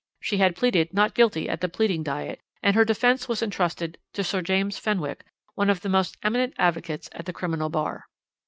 She had pleaded 'Not Guilty' at the pleading diet, and her defence was entrusted to Sir James Fenwick, one of the most eminent advocates at the Criminal Bar.